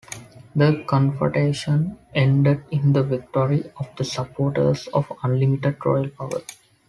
The confrontation ended in the victory of the supporters of unlimited royal power.